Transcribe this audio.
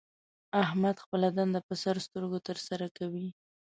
احمد خپله دنده په سر سترګو تر سره کوي.